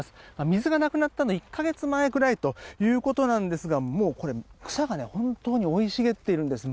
水がなくなったのは１か月前くらいということですがもう、草が本当に生い茂っているんです。